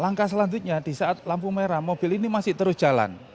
langkah selanjutnya di saat lampu merah mobil ini masih terus jalan